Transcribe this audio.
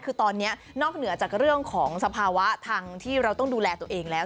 คือตอนนี้นอกเหนือจากเรื่องของสภาวะทางที่เราต้องดูแลตัวเองแล้ว